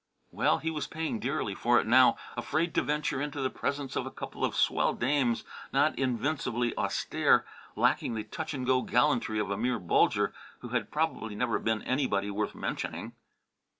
Well, he was paying dearly for it now; afraid to venture into the presence of a couple of swell dames not invincibly austere, lacking the touch and go gallantry of a mere Bulger who had probably never been anybody worth mentioning.